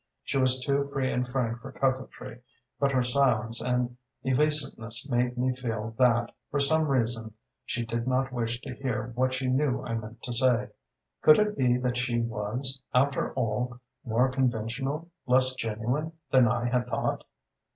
She was too free and frank for coquetry, but her silence and evasiveness made me feel that, for some reason, she did not wish to hear what she knew I meant to say. Could it be that she was, after all, more conventional, less genuine, than I had thought?